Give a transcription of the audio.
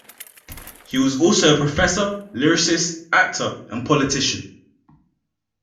He was also a professor, lyricist, actor, and politician.